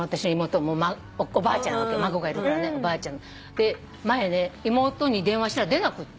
で前ね妹に電話したら出なくって。